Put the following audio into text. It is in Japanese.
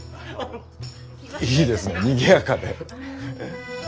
いいですねにぎやかで。